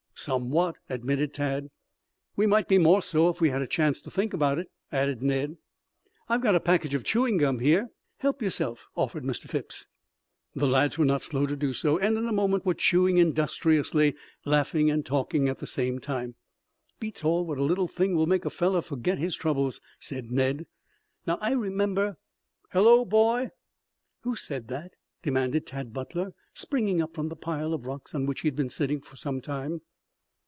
"Somewhat," admitted Tad. "We might be more so if we had a chance to think about it," added Ned. "I've got a package of chewing gum here. Help yourself," offered Mr. Phipps. The lads were not slow to do so, and in a moment were chewing industriously, laughing and talking at the same time. "Beats all what a little thing will make a fellow forget his troubles," said Ned. "Now, I remember " "Hello, boy!" "Who said that?" demanded Tad Butler springing up from the pile of rocks on which he had been sitting for some time.